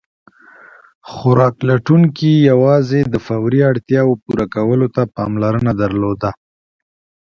خوراک لټونکي یواځې د فوري اړتیاوو پوره کولو ته پاملرنه درلوده.